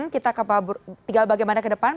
tinggal bagaimana ke depan